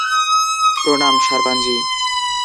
প্রণাম, সারপাঞ্জি।